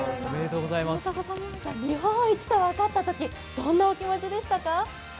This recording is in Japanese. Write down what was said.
日本一と分かったときどんなお気持ちでしたか？